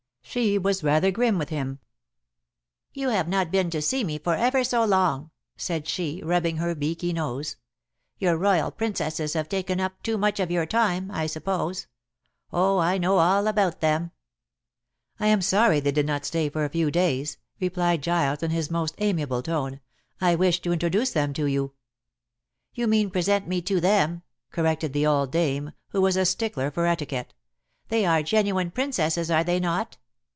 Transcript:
She was rather grim with him. "You have not been to see me for ever so long," said she, rubbing her beaky nose. "Your Royal Princesses have taken up too much of your time, I suppose. Oh, I know all about them." "I am sorry they did not stay for a few days," replied Giles in his most amiable tone. "I wished to introduce them to you." "You mean present me to them," corrected the old dame, who was a stickler for etiquette. "They are genuine Princesses, are they not?"